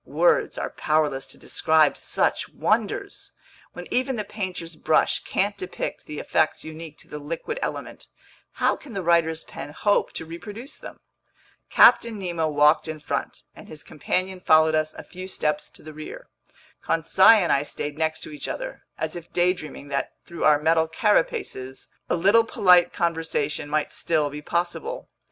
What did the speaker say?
Words are powerless to describe such wonders! When even the painter's brush can't depict the effects unique to the liquid element, how can the writer's pen hope to reproduce them? Captain Nemo walked in front, and his companion followed us a few steps to the rear. Conseil and I stayed next to each other, as if daydreaming that through our metal carapaces, a little polite conversation might still be possible!